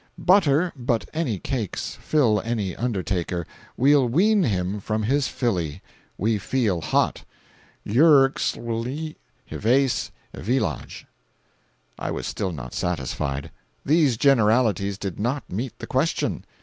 Butter but any cakes, fill any undertaker, we'll wean him from his filly. We feel hot. Yrxwly, HEVACE EVEELOJ.' "I was still not satisfied. These generalities did not meet the question.